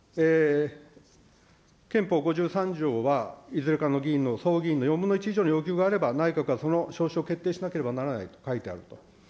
憲法５３条は、いずれかの議員の総議員の４分の１以上の要求があれば、内閣はその召集を決定しなければならないと書いてあると。